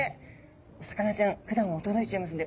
お魚ちゃんふだんは驚いちゃいますので。